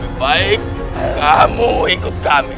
terbaik kamu ikut kami